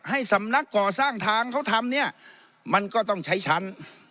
สำนักก่อสร้างทางเขาทำเนี่ยมันก็ต้องใช้ชั้น